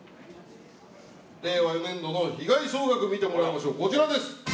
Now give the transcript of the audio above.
令和４年度の被害総額、見てもらいましょう。